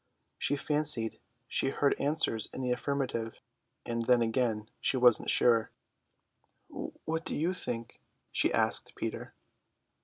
She fancied she heard answers in the affirmative, and then again she wasn't sure. "What do you think?" she asked Peter.